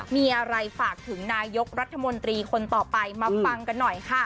มีอะไรฝากถึงนายกรัฐมนตรีคนต่อไปมาฟังกันหน่อยค่ะ